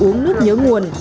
uống nước nhớ nguồn